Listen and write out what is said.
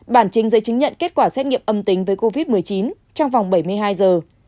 bản trình giấy chứng nhận kết quả xét nghiệm âm tính với covid một mươi chín trong vòng bảy mươi hai giờ